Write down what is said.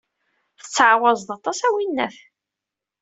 Tettɛawazeḍ aṭas, a winnat.